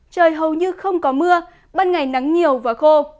trời hầu như không có mưa ban ngày nắng nhiều và khô